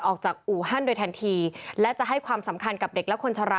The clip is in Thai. ออกจากอูฮันโดยแทนทีและจะให้ความสำคัญกับเด็กและคนชะลา